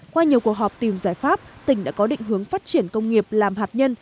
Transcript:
qua nhiều cuộc họp tìm giải pháp tỉnh đã có định hướng phát triển công nghiệp làm hạt nhân